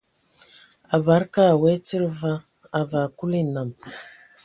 A bade ka we tsid fa, a vaa Kulu enam.